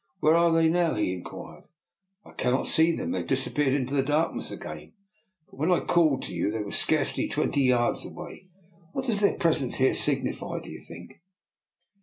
Where are they now? " he inquired. I cannot see them. They have disap peared into the darkness again; but when I called to you they were scarcely twenty yards away. What does their presence here signify, do you think?